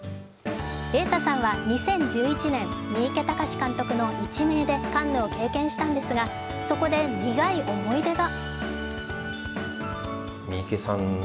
瑛太さんは２０１１年三池崇史監督の「一命」でカンヌを経験したのですがそこで苦い思い出が。